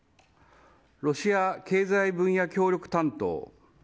ロシア経済分野協力担当